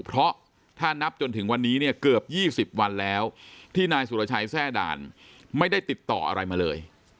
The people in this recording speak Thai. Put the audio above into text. เพราะถ้านับจนถึงวันนี้เนี่ยเกือบ๒๐วันแล้วที่นายสุรชัยแทร่ด่านไม่ได้ติดต่ออะไรมาเลย